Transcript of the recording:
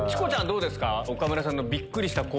どうですか？